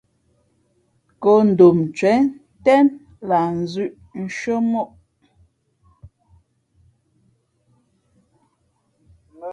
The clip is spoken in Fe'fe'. Kǒ ndom ncwěn ntén lah nzʉ̄ʼ shʉ́ά móʼ.